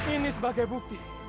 ini sebagai bukti